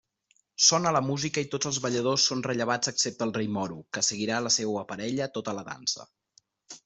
Sona la música i tots els balladors són rellevats excepte el Rei Moro, que seguirà la seua parella tota la dansa.